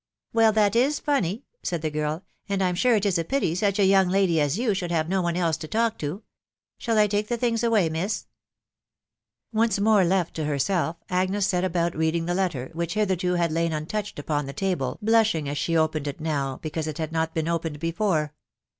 " Well, that is funny," said the girl ;" and I'm sure it is a pity such a young lady as you should have no one else to talk to. Shall I take the things away, miss ?" Once more left to herself, Agnes set about reading the letter, which hitherto had lain untouched upon the table, blushing as she opened it now, because it had not been opened before.